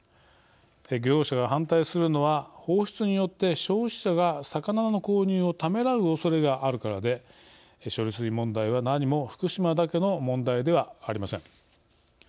漁業者が反対するのは放出によって消費者が魚の購入をためらうおそれがあるからで処理水問題はなにも福島だけの問題ではありません。